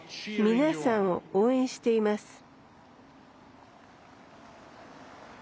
皆さんを応援しています。